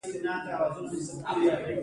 دوی د زورورو زور په اوبو کې لاهو کوي.